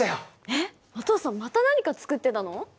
えっお父さんまた何か作ってたの？